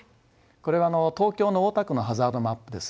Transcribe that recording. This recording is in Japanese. これは東京の大田区のハザードマップです。